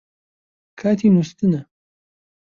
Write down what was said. کاتی نووستنە